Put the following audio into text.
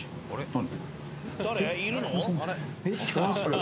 何？